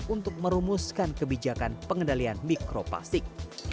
untuk merumuskan kebijakan pengendalian mikroplastik